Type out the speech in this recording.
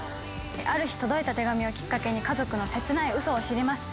ある日届いた手紙をきっかけに家族の切ないウソを知ります。